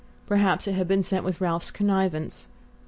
Perhaps it had been sent with Ralph's connivance!